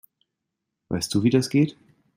Weißt du, wie das geht?